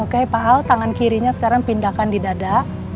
oke pak al tangan kirinya sekarang pindahkan di dada